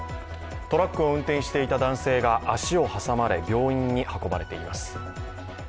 トラックを運転していた男性が足を挟まれ、病院に運ばれています。